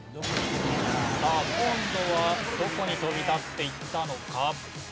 さあ今度はどこに飛び立っていったのか？